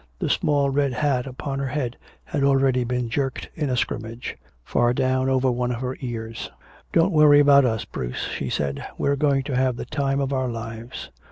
The small red hat upon her head had already been jerked in a scrimmage, far down over one of her ears. "Don't worry about us, Bruce," she said. "We're going to have the time of our lives!"